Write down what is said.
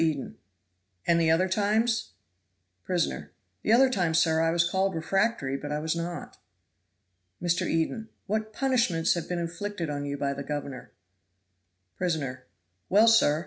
Eden. "And the other times?" Prisoner. "The other times, sir, I was called refractory but I was not." Mr. Eden. "What punishments have been inflicted on you by the governor?" Prisoner. "Well, sir!